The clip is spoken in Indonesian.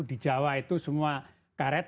di jawa itu semua karet